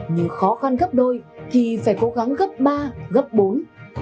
nhưng khó khăn gấp đôi thì phải cố gắng gấp ba gấp bốn